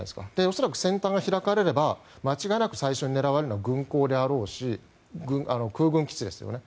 恐らく戦端が開かれれば間違いなく最初に狙われるのは軍港であろうし空軍基地ですよね。